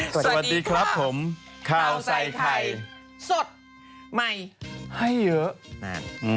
สวัสดีครับผมข่าวใส่ไข่สดใหม่ให้เยอะนาน